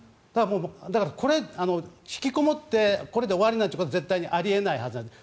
だから引きこもってこれで終わりなんてことは絶対にあり得ないはずなんです。